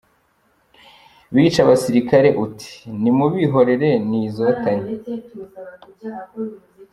– Bica abasirikare uti “nimubihorere ni izotanye”